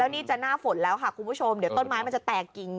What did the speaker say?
นี่จะหน้าฝนแล้วค่ะคุณผู้ชมเดี๋ยวต้นไม้มันจะแตกกิ่ง